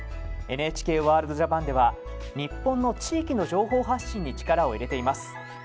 ＮＨＫワールドＪＡＰＡＮでは日本の地域の情報発信に力を入れています。